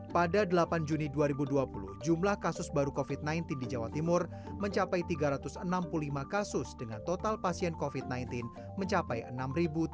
pada delapan juni dua ribu dua puluh jumlah kasus baru covid sembilan belas di jawa timur mencapai tiga ratus enam puluh lima kasus dengan total pasien covid sembilan belas mencapai enam tujuh ratus